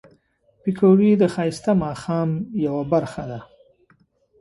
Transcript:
پکورې د ښایسته ماښام یو برخه ده